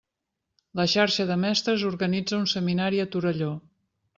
La xarxa de mestres organitza un seminari a Torelló.